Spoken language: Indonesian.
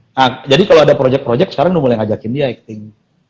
nah jadi kalau ada project project sekarang udah mulai ngajakin dia acting